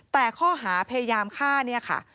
แต่ข้อหาพยายามฆ่า